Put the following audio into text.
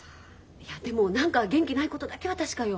いやでも何か元気ないことだけは確かよ。